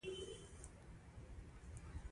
خو فقر او بېوزلۍ ته تسلیمېدل ډېر بد دي